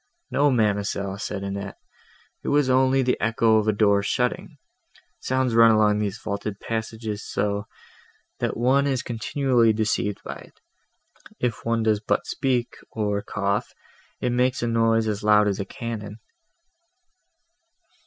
"No, ma'amselle," said Annette, "it was only the echo of a door shutting; sound runs along these vaulted passages so, that one is continually deceived by it; if one does but speak, or cough, it makes a noise as loud as a cannon."